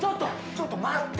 ちょっと待って！